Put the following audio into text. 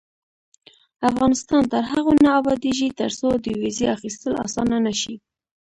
افغانستان تر هغو نه ابادیږي، ترڅو د ویزې اخیستل اسانه نشي.